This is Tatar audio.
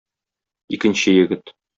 Икенче егет.